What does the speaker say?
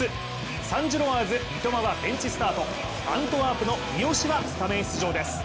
サンジロワーズ・三笘はベンチスタート、アントワープの三好はスタメン出場です。